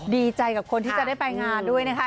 ดีใจกับคนที่จะได้ไปงานด้วยนะคะ